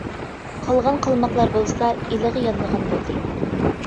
قالغان قالماقلار بولسا ئىلىغا يانىدىغان بولدى.